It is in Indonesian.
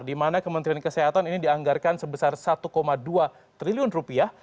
di mana kementerian kesehatan ini dianggarkan sebesar satu dua triliun rupiah